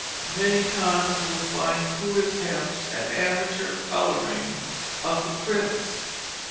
Many times you will find crude attempts at amateur coloring of the prints.